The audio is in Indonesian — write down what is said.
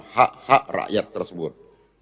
hak hak rakyat tersebut